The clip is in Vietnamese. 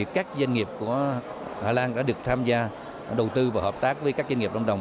các doanh nghiệp của hà lan đã được tham gia đầu tư và hợp tác với các doanh nghiệp lâm đồng